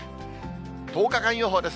１０日間予報です。